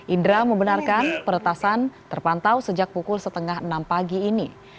indra membenarkan peretasan terpantau sejak pukul setengah enam pagi ini